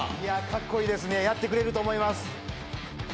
かっこいいですね、やってくれると思います。